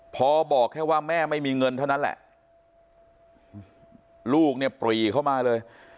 พอบอกแค่ว่าแม่ไม่มีเงินเท่านั้นแหละลูกเนี่ยปรีเข้ามาเลย